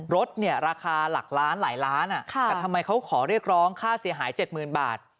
รถเนี่ยราคาหลักล้านหลายล้านแต่ทำไมเขาขอเรียกร้องค่าเสียหาย๗๐๐๐บาท